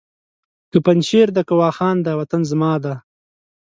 که پنجشېر دی که واخان دی وطن زما دی!